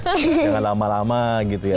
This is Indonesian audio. jangan lama lama gitu ya